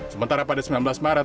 sementara pada sembilan belas maret